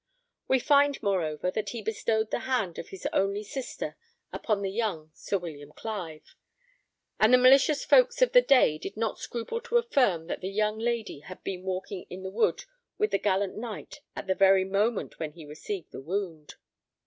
We find, moreover, that he bestowed the hand of his only sister upon the young Sir William Clive; and the malicious folks of the day did not scruple to affirm that the young lady had been walking in the wood with the gallant knight at the very moment when he received the wound."